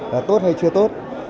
là tốt hay chưa tốt